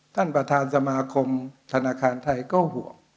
ท่านประธานสมาคมธนาคารไทยก็ห่วง